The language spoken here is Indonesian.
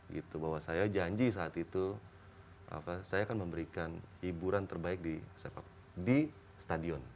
gitu bahwa saya janji saat itu saya akan memberikan hiburan terbaik di sepak di stadion